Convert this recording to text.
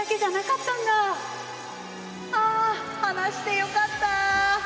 ああ、話してよかった。